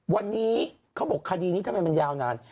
วันนี้เขาบอกคดีนี้ทำไมมันยาวนาน